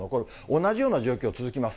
同じような状況、続きます。